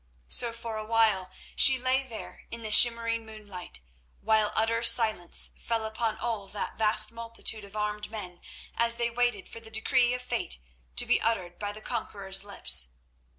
So for a while she lay there in the shimmering moonlight, while utter silence fell upon all that vast multitude of armed men as they waited for the decree of fate to be uttered by the conqueror's lips.